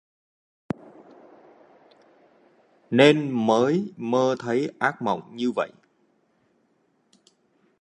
nên mới mơ thấy ác mộng như vậy